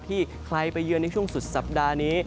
ใครไปเยือนในช่วงสุดสัปดาห์นี้